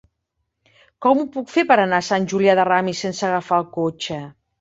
Com ho puc fer per anar a Sant Julià de Ramis sense agafar el cotxe?